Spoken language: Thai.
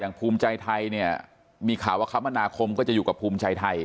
ภูมิใจไทยเนี่ยมีข่าวว่าคมนาคมก็จะอยู่กับภูมิใจไทย